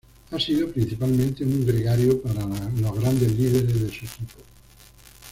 Ha sido principalmente un gregario para los grandes líderes de su equipo.